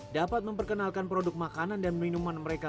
dapat memperkenalkan produk makanan dan minuman mereka